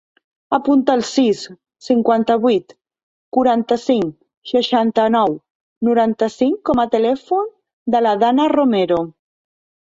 Apunta el sis, cinquanta-vuit, quaranta-cinc, seixanta-nou, noranta-cinc com a telèfon de la Danna Romero.